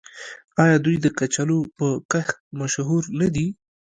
آیا دوی د کچالو په کښت مشهور نه دي؟